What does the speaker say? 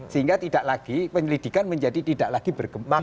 sehingga penyelidikan menjadi tidak lagi berkembang